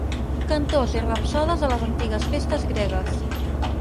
Cantors i rapsodes a les antigues festes gregues.